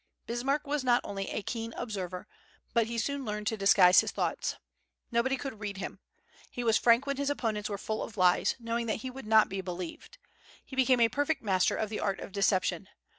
Bismarck was not only a keen observer, but he soon learned to disguise his thoughts. Nobody could read him. He was frank when his opponents were full of lies, knowing that he would not be believed. He became a perfect master of the art of deception.